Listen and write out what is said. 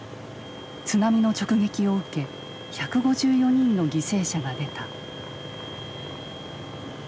津波の直撃を受け１５４人の犠牲者が出た。